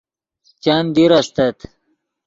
چند دیر استت